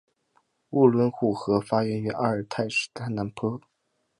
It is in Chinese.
乌伦古河发源于阿尔泰山南坡。